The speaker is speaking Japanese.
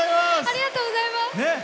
ありがとうございます。